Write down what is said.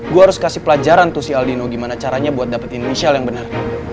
gue harus kasih pelajaran tuh si aldino gimana caranya buat dapetin inisial yang benar